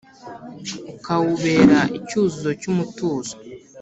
Ukawubera icyuzuzo cy’umutuzo